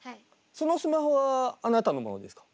そのスマホはあなたのものですか？